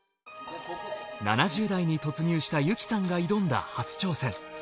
７０代に突入した由紀さんが挑んだ初挑戦。